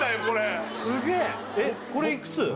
これこれいくつ？